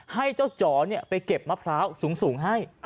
ให้เจ้าจ๋อไปเก็บมะพร้าวสูงให้